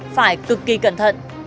phải cực kỳ cẩn thận